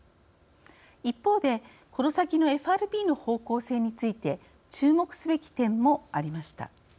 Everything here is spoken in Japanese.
一方で、この先のＦＲＢの方向性について注目すべき点もありました。